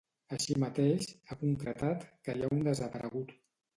Així mateix, ha concretat que hi ha un desaparegut.